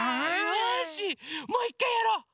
よしもういっかいやろう！